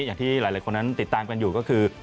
อย่างที่หลายคนนั้นติดตามกันอยู่ก็คือ